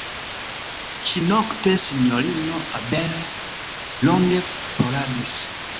Ĉinokte Sinjorino Abel longe ploradis.